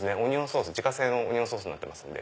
自家製のオニオンソースになってます。